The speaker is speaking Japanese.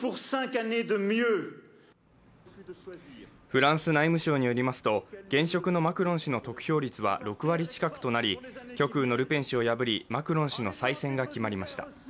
フランス内務省によりますと現職のマクロン氏の得票率は６割近くとなり、極右のルペン氏を破りマクロン氏の再選が決まりました。